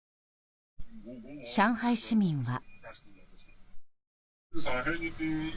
上海市民は。